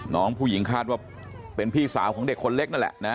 น้องผู้หญิงคาดว่าเป็นพี่สาวของเด็กคนเล็กนั่นแหละนะ